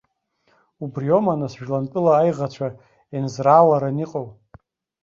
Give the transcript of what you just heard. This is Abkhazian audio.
Убриоума, нас, жәлантәыла аиӷацәа еинзрааларан иҟоу?